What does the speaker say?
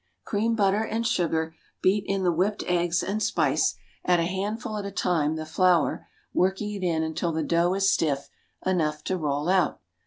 Cream butter and sugar, beat in the whipped eggs and spice; add a handful at a time the flour, working it in until the dough is stiff enough to roll out.